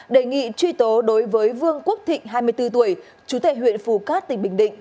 đề nghị truy tố đối với vương quốc thịnh hai mươi bốn tuổi chú tệ huyện phù cát tỉnh bình định